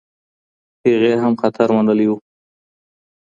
هغې هم خطر منلی و.